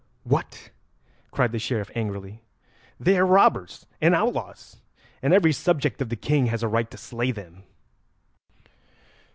"What?" cried the Sheriff angrily. "They are robbers and outlaws, and every subject of the King has a right to slay them."